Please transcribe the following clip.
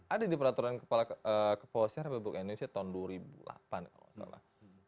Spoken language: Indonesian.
ada di peraturan kepala kepolisian republik indonesia tahun dua ribu delapan kalau nggak salah